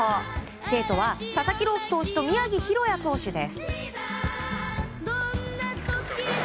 生徒は、佐々木朗希投手と宮城大弥投手です。